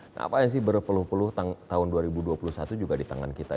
ngapain sih berpeluh peluh tahun dua ribu dua puluh satu juga di tangan kita